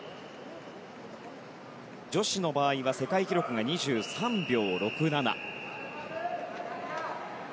女子の場合は世界記録が２３秒６７。